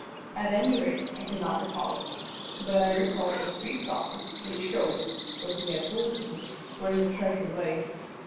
At any rate, I could not recall it. But I recalled the three crosses which showed (so he had told me) where the treasure lay.